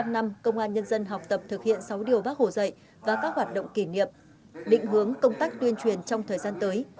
một mươi năm năm công an nhân dân học tập thực hiện sáu điều bác hồ dạy và các hoạt động kỷ niệm định hướng công tác tuyên truyền trong thời gian tới